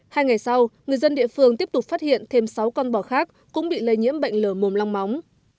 hai ngày sau người dân địa phương tiếp tục phát hiện thêm sáu con bò khác cũng bị lây nhiễm bệnh lở mồm long móng